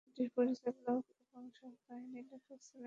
চলচ্চিত্রটির পরিচালক এবং সহ কাহিনী লেখক ছিলেন মনসুর খান।